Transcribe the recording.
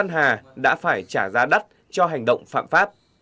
hà đã phải trả giá đắt cho hành động phạm pháp